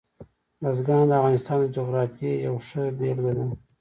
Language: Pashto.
بزګان د افغانستان د جغرافیې یوه ښه بېلګه ده.